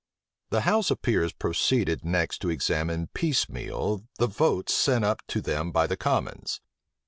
The house of peers proceeded next to examine piecemeal the votes sent up to them by the commons.